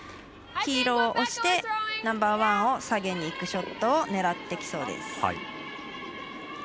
黄色を押してナンバーワンを下げにいくショットを狙ってきそうです。